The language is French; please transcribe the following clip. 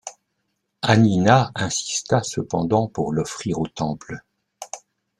Hanina insista cependant pour l'offrir au Temple.